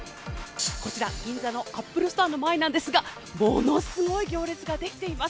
こちら、銀座のアップルストアの前なんですが、ものすごい行列が出来ています。